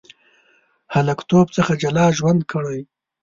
هلکتوب څخه جلا ژوند کړی.